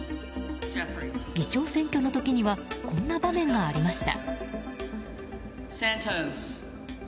議長選挙の時にはこんな場面がありました。